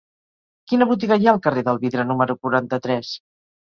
Quina botiga hi ha al carrer del Vidre número quaranta-tres?